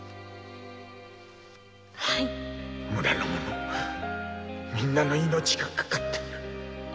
村の者みんなの命がかかっている。